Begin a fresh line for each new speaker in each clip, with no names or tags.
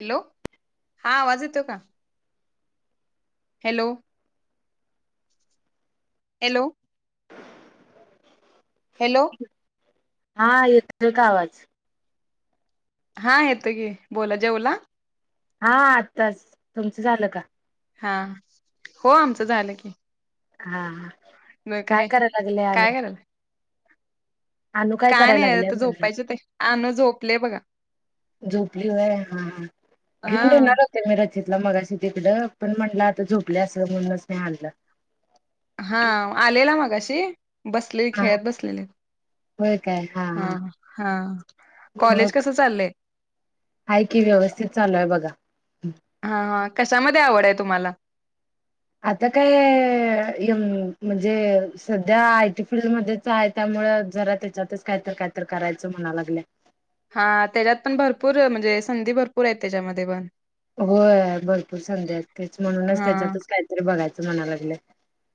Hello! हा आवाज येतो का? हॅलो! हॅलो! हॅलो!
हा, येतोय का आवाज?
हां येतोय की, बोला जेवला?
हा आत्ताच, तुमच झाल का?
हा, हो आमच झाल की.
हा हा, काय करा लागल्या
काय
अगं?
करायला काय नाही
करायला लागलंय
आता
म्हणलं
झोपायचेत आहे. अनु झोपलेय बघा.
झोपली होय हा हा.
हा
घेऊन येणार ते मी रचितला मगाशी तिकड, पण म्हणल आता झोपली असल म्हणूनच नाही आणल
हा आलेला मगाशी, बसलेली
हा
खेळत बसलेले.
होय काय? हा.
हा हा, कॉलेज कस चाललंय?
आहे की, व्यवस्थित चालू आहे बघा.
हा हा, कशामध्ये आवड आहे तुम्हाला?
आता काय, यून म्हणजे सध्या आय टी फील्डमध्ये आहे, त्यामुळ जरा त्याच्यातच काय तर, काय तर करायचं म्हणा लागल्या.
हा त्याच्यात पण भरपूर, म्हणजे संधी भरपूर आहेत त्याच्यामध्ये पण.
होय भरपूर संधी आहेत. तेच म्हणूनच
हा
त्याच्यातच काहीतरी बघायचं म्हणा लागल्यात.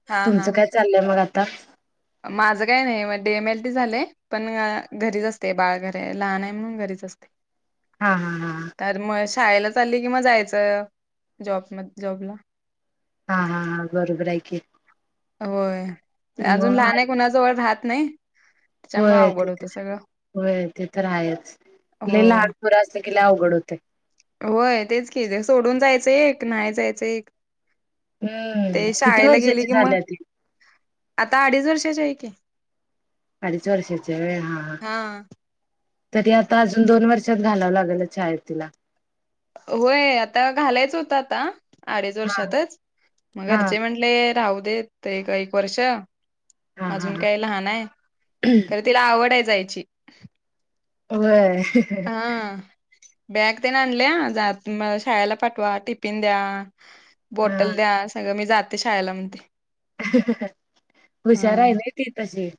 हा हा
तुमचं काय चाललंय मग आता?
माझं काय नाही. म डे. एम. एल. टी. झालंय पण घरीचं असते, बाळ घरी लहान आहे म्हणून घरीच असते.
हा हा हा हा.
तर मग शाळेला चालली कि मग जायचं, जॉब म जॉबला.
हा हा हा बरोबर आहे की.
होय, अजून
मग
लहान आहे. कोणाजवळ राहत नाही. त्याच्यामुळे
होय, ते
अवघड
त,
होतं सगळं
होय ते तर आहेच. लय
हो.
लहान पोर असलं कि लय अवघड होतय.
व्हय तेच कि, जे सोडून जायचं एक, नाही जायचं एक.
हम्म
ते
किती
शाळेला गेले
वर्षाची
की
झाली
मग
आहे ती.
आता अडीच वर्षाची आहे की.
अडीच वर्षाची आहे व्हय हा हा. तरी आता अजून दोन वर्षात घालावं लागेल शाळेत तिला.
व्हयं आता घालायचं होतं आता अडीच
हा
वर्षातच
हा
घरचे म्हणले. ले राहू देत ते एक वर्ष
हा हा
अजून
हा
काय लहान आहे. तिला आवड आहे जायची.
व्हय.
हा बॅग तेन आणल्या जात शाळेला पाठवा टिफिन द्या.
हा
बॉटल द्या सगळं मी जाते शाळेला म्हणते.
ह... हुशार आहेना ती तशी.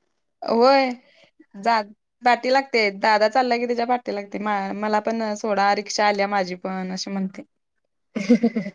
व्हयं जात. पाटी लागते दादा चालला की त्याच्या पाटी लागते मला पण सोडा रिक्षा आल्या माझी. पण अशी म्हणते.
ह....